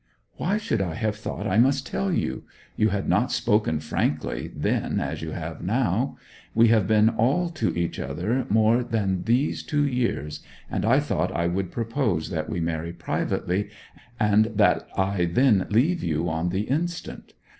'Why should I have thought I must tell you? You had not spoken "frankly" then as you have now. We have been all to each other more than these two years, and I thought I would propose that we marry privately, and that I then leave you on the instant.